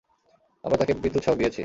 আমরা তাকে বিদ্যুৎ শক দিয়েছি।